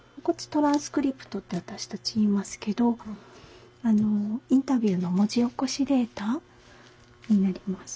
トランスクリプトって私たち言いますけどインタビューの文字起こしデータになります。